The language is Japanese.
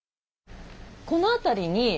この辺りに。